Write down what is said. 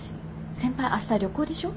先輩あした旅行でしょ？